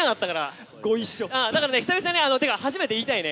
だから、久々、初めて言いたいね。